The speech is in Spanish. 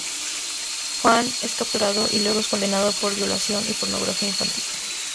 Juan es capturado y luego es condenado por violación y pornografía infantil.